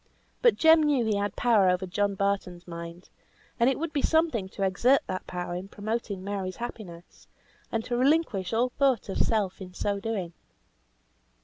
But Jem knew he had power over John Barton's mind; and it would be something to exert that power in promoting Mary's happiness, and to relinquish all thought of self in so doing.